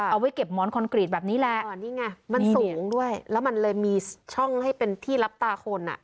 เอาไว้เก็บหมอนคอนกรีตแบบนี้แหละมันสูงด้วยแล้วมันเลยมีช่องให้เป็นที่รับตาคนอ่ะ